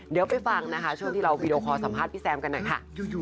เดี๋ยวไปฟังนะคะช่วงที่เราวีดีโอคอลสัมภาษณ์พี่แซมกันหน่อยค่ะ